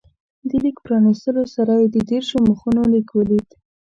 د لیک پرانستلو سره یې د دېرشو مخونو لیک ولید.